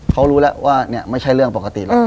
เขารู้แล้วว่าเนี่ยไม่ใช่เรื่องปกติหรอก